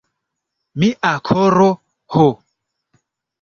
Mia koro, ho!